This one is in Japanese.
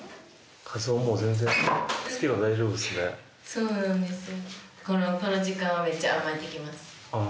そうなんですよ。